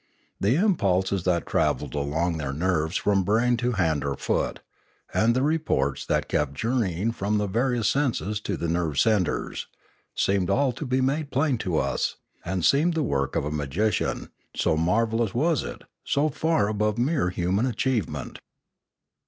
The impulses that travelled along their nerves from brain to hand or foot, and the reports that kept journeying from the various senses to the nerve centres, seemed all to be made plain to us; and seemed the work of a magician, so marvellous was it, so far above mere human achievement.